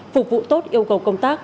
phục vụ tốt yêu cầu công tác